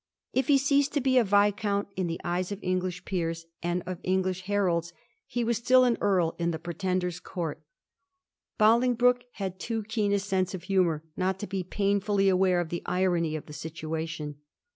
If he ceased to be a viscount in the eyes of English peers and of English heralds, he was still an earl in the Pretender's court. Boling broke had too keen a sense of humour not to be painfully aware of the irony of the situation.